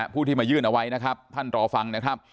ผู้ที่มายื่นเอาไว้ท่านรอฟัง